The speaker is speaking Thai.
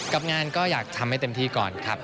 กับงานก็อยากทำให้เต็มที่ก่อนครับ